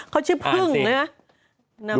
เขาชื่อพึ่งนะ